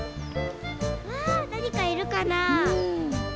わなにかいるかなあ？